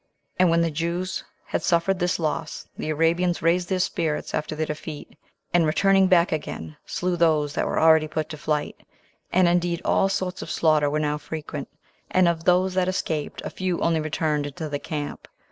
And when the Jews had suffered this loss, the Arabians raised their spirits after their defeat, and returning back again, slew those that were already put to flight; and indeed all sorts of slaughter were now frequent, and of those that escaped, a few only returned into the camp.